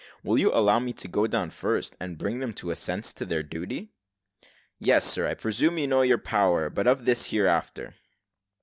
Will you allow me to go down first, and bring them to a sense of their duty?" "Yes, sir, I presume you know your power, but of this hereafter."